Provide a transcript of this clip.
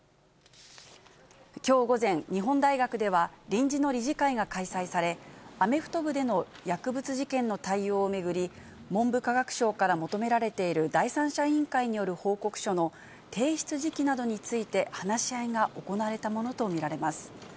きょう午前、日本大学では臨時の理事会が開催され、アメフト部での薬物事件の対応を巡り、文部科学省から求められている第三者委員会による報告書の提出時期などについて、話し合いが行われたものと見られます。